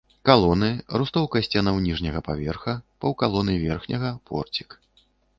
Калоны, рустоўка сценаў ніжняга паверха, паўкалоны верхняга, порцік.